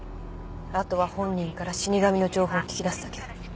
後は本人から死神の情報を聞き出すだけ。